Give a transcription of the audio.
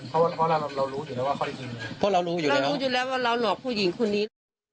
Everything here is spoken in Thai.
เพราะเรารู้อยู่แล้วว่าเราหลอกผู้หญิงคนนี้